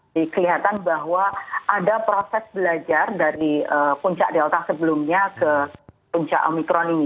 dikelihatkan bahwa ada proses belajar dari puncak delta sebelumnya ke puncak omikron ini